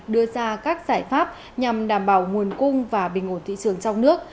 đưa ra các giải pháp nhằm đảm bảo nguồn cung và bình ổn thị trường trong nước